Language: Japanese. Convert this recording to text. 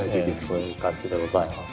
そういう感じでございます。